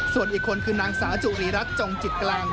ส่วนอีกคนคือนางสาวจุรีรัฐจงจิตกลาง